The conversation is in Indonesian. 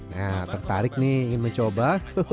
nah tertarik nih ingin mencoba